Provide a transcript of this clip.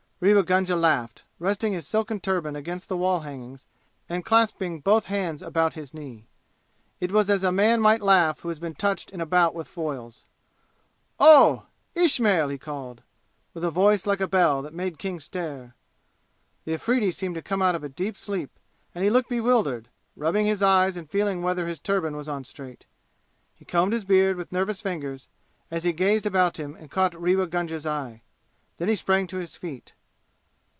Rewa Gunga laughed, resting his silk turban against the wall hangings and clasping both hands about his knee. It was as a man might laugh who has been touched in a bout with foils. "Oh! Ismail!" he called, with a voice like a bell, that made King stare. The Afridi seemed to come out of a deep sleep and looked bewildered, rubbing his eyes and feeling whether his turban was on straight. He combed his beard with nervous fingers as he gazed about him and caught Rewa Gunga's eye. Then he sprang to his feet.